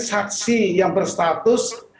saksi yang berstatus